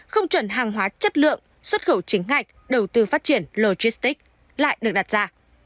không chuẩn hàng hóa chất lượng xuất khẩu chính ngạch đầu tư phát triển logistics lại được đặt ra